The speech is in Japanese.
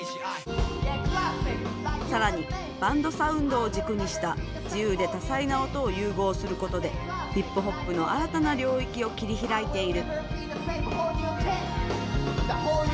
さらにバンドサウンドを軸にした自由で多彩な音を融合することでヒップホップの新たな領域を切り開いている。